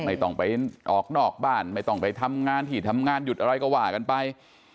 ไม่ต้องไปออกนอกบ้านไม่ต้องไปทำงานที่ทำงานหยุดอะไรก็ว่ากันไป